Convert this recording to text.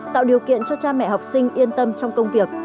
tạo điều kiện cho cha mẹ học sinh yên tâm trong công việc